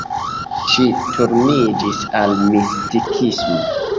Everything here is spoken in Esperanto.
Ŝi turniĝis al mistikismo.